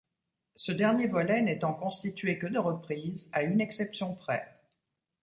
Ce dernier volet n’étant constitué que de reprises à une exception près.